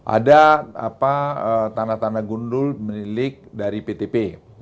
ada tanah tanah gundul milik dari ptp